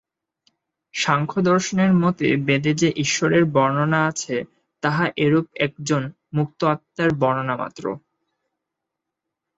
সাংখ্যদর্শনের মতে বেদে যে ঈশ্বরের বর্ণনা আছে, তাহা এইরূপ একজন মুক্তাত্মার বর্ণনা মাত্র।